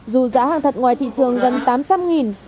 dù giá hàng thật ngoài thị trường gần tám trăm linh